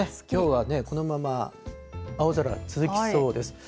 きょうはこのまま青空続きそうです。